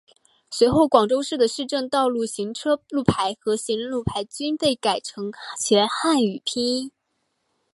随后广州市的市政道路行车路牌和行人路牌均被改成全汉语拼音。